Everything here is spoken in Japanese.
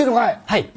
はい。